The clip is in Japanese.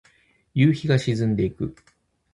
夕日が沈んでいく。